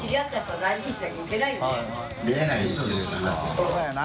そうだよな。